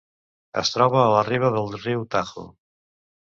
Es troba a la riba del riu Tajo.